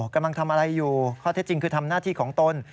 กำลังทำอะไรอยู่ข้อเท็จจริงคือทำหน้าที่ของตน